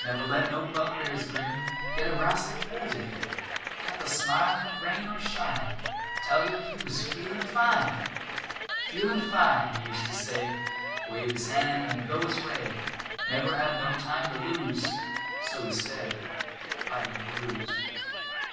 Never let no bugbears grim Git a wrastle holt o' him, Kep' a smilin' rain or shine, Tell you he was "feelin' fine!" "Feelin' fine," he used to say Wave his hand an' go his way. Never had no time to lose So he said, fighting blues.